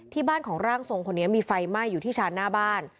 ที่บ้านของร่างทรงคนนี้มีไฟไหม้อยู่ที่ชานหน้าบ้าน